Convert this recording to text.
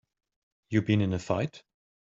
You been in a fight?